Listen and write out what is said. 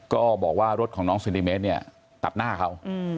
ก็บอกว่ารถของน้องเซนติเมตรเนี่ยตัดหน้าเขา